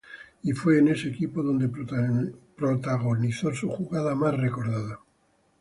Y fue en ese equipo donde protagonizó su jugada más recordada.